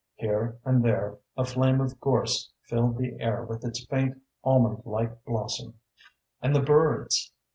Here and there, a flame of gorse filled the air with its faint, almond like blossom. And the birds!